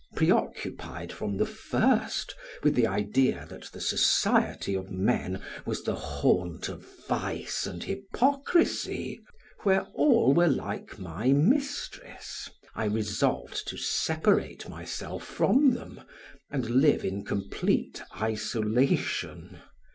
Preoccupied from the first with the idea that the society of men was the haunt of vice and hypocrisy, where all were like my mistress, I resolved to separate myself from them and live in complete isolation.